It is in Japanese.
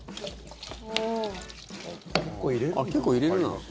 結構入れるな。